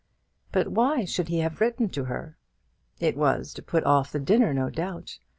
But why should he have written to her? It was to put off the dinner, no doubt.